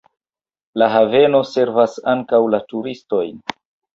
La haveno servas ankaŭ la turistojn.